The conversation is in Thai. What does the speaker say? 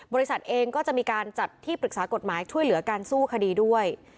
บริษัทเองก็จะมีการจัดที่ปรึกษากฎหมายช่วยเหลือการสู้คดีด้วย